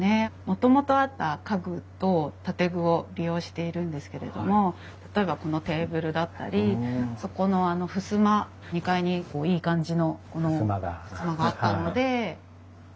もともとあった家具と建具を利用しているんですけれども例えばこのテーブルだったりそこのふすま２階にいい感じのふすまがあったので使いました。